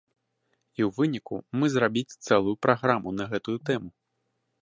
І ў выніку мы зрабіць цэлую праграму на гэтую тэму.